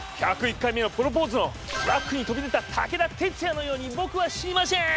「１０１回目のプロポーズ」のトラックに飛び出た武田鉄矢のように「ぼくは死にましぇーん」